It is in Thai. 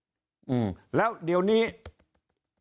คราวนี้เจ้าหน้าที่ป่าไม้รับรองแนวเนี่ยจะต้องเป็นหนังสือจากอธิบดี